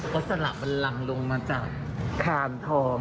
ก็สละบันลังลงมาจากคานทอง